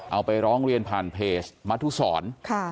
เอาไปร้องเรียนผ่านเพจมัธุศร